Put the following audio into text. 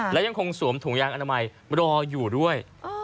และยังคงสวมถุงยางอนามัยรออยู่ด้วย